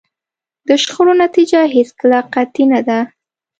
د شخړو نتیجه هېڅکله قطعي نه ده.